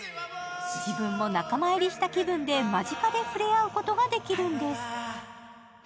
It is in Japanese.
自分も仲間入りした気分で間近でふれあうことができるんです。